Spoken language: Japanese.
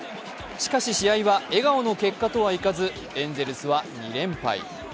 しかし、試合は笑顔の結果とはいかずエンゼルスは２連敗。